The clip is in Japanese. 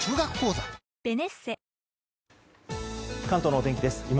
関東の天気です。